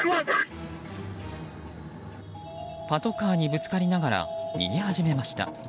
パトカーにぶつかりながら逃げ始めました。